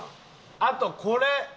あとこれ。